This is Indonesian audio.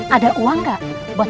ada uang nggak buat